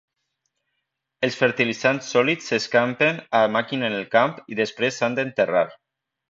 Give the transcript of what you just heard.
Els fertilitzants sòlids s'escampen a màquina en el camp i després s'han d'enterrar.